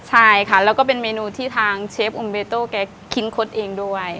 ใช่ค่ะแล้วก็เป็นเมนูที่ทางเชฟอุ่มเบโต้แกคิดคดเองด้วย